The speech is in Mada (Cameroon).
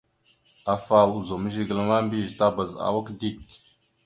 Afa ozum zigəla ma, mbiyez tabaz awak dik.